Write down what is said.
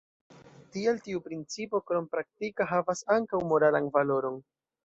Tial tiu principo, krom praktika, havas ankaŭ moralan valoron.